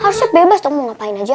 harusnya bebas dong mau ngapain aja